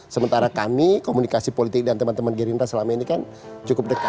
sementara kami komunikasi politik dan teman teman gerindra selama ini kan cukup dekat